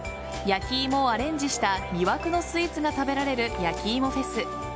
焼き芋をアレンジした魅惑のスイーツが食べられるやきいもフェス。